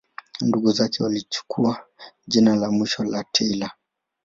Ndugu zake walichukua jina la mwisho la Taylor.